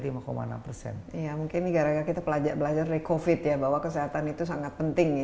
ya mungkin gara gara kita belajar dari covid ya bahwa kesehatan itu sangat penting ya